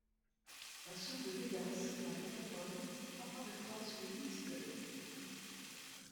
Un son de Vegas avec Capone apparaîtra sur une mixtape.